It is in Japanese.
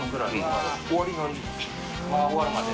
まぁ終わるまで。